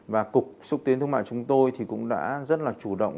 và cục xúc tiến thương mại chúng tôi thì cũng đã rất là chủ động